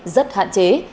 rất hạn chế